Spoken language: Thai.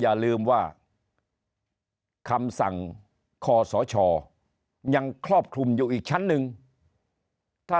อย่าลืมว่าคำสั่งคอสชยังครอบคลุมอยู่อีกชั้นหนึ่งถ้า